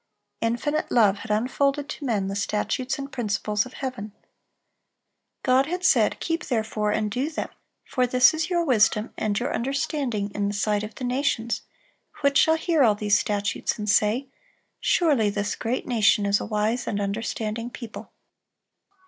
Infinite Love had unfolded to men the statutes and principles of heaven. God had said, "Keep therefore and do them; for this is your wisdom and your understanding in the sight of the nations, which shall hear all these statutes, and say, Surely this great nation is a wise and understanding people."